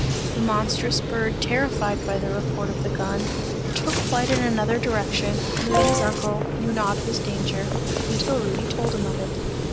The monstrous bird terrified by the report of the gun, took flight in another direction, and Rudy's uncle knew nought of his danger, until Rudy told him of it.